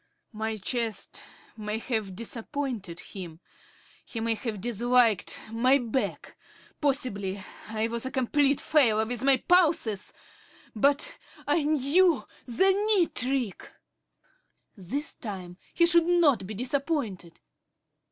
My chest may have disappointed him.... He may have disliked my back.... Possibly I was a complete failure with my pulses.... But I knew the knee trick. This time he should not be disappointed.